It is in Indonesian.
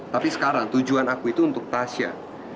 tapi sekarang tujuan aku itu untuk tasya